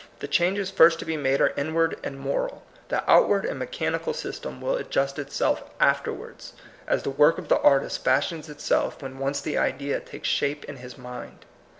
The changes fij^st to be made are inward and moral; the outward and mechanical system will adjust itself afterwards, as the work of the artist fashions itself when once the idea takes shape in his mind.